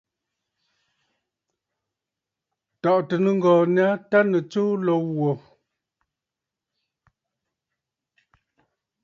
Tɔ̀ʼɔ̀tə̀ nɨŋgɔ̀ɔ̀ nyâ tâ nɨ̀ tsuu lǒ wò.